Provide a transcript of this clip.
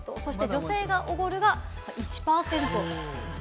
女性がおごるが１％です。